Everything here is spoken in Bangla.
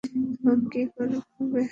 এখন কি হবে?